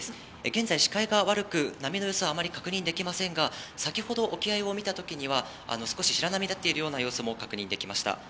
現在、視界が悪く、波の様子はあまり確認できませんが、先ほど沖合を見たときには、少し白波立っているような様子も確認できました。